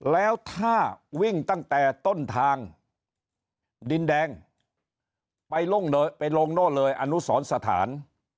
แล้วถ้าวิ่งตั้งแต่ต้นทางดินแดงไปลงโน่นเลยอนุสรสถาน